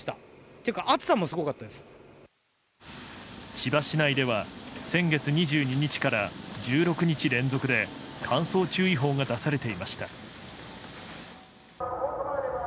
千葉市内では先月２２日から１６日連続で乾燥注意報が出されていました。